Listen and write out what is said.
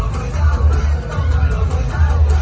มันเป็นเมื่อไหร่แล้ว